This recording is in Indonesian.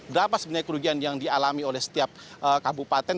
berapa sebenarnya kerugian yang dialami oleh setiap kabupaten